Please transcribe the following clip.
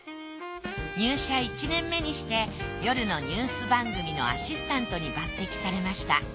入社１年目にして夜のニュース番組のアシスタントに抜てきされました。